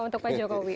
untuk pak jokowi